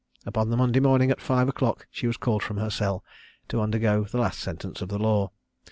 Upon the Monday morning at five o'clock she was called from her cell, to undergo the last sentence of the law.